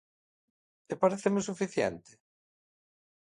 ¿E paréceme suficiente?